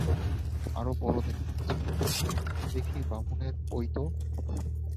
আরও বড় দেখাচ্চে, দেখি নতুন বামুনের পৈতো?